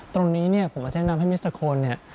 ตรงนี้ผมอาจจะแนะนำให้มิสเตอร์โคน